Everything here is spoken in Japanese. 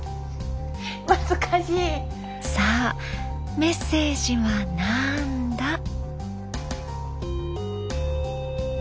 さあメッセージはなんだ？